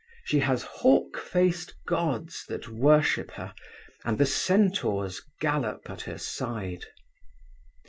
She has hawk faced gods that worship her, and the centaurs gallop at her side.